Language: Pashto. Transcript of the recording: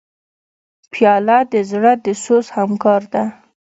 پیاله د زړه د سوز همکار ده.